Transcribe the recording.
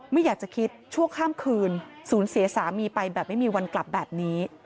ไม่อยากจะคิดชั่วข้ามคืนสูญเสียสามีไปแบบไม่มีวันกลับแบบนี้